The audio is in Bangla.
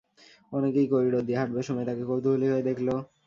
অনেকেই করিডোর দিয়ে হাঁটবার সময় তাঁকে কৌতূহলী হয়ে দেখল।